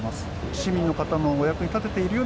市民の方のお役に立てているよう